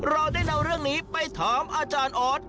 เราได้นำเรื่องนี้ไปถามอาจารย์ออส